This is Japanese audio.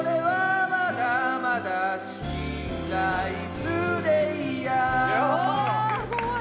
すごい！